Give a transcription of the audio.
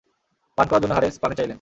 পান করার জন্য হারেস পানি চাইলেন।